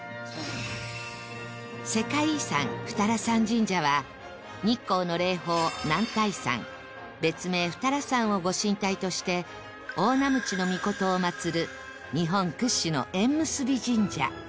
世界遺産二荒山神社は日光の霊峰男体山別名二荒山をご神体として大己貴命を祭る日本屈指の縁結び神社